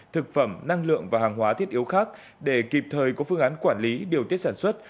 thực phẩm năng lượng và hàng hóa thiết yếu khác để kịp thời có phương án quản lý điều tiết sản xuất